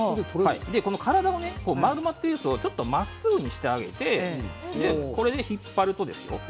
体が丸まってるやつをちょっとまっすぐにしてあげてこれで引っ張るとですよ